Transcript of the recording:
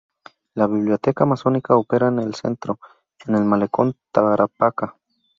La Biblioteca Amazónica opera en el Centro, en el Malecón Tarapacá.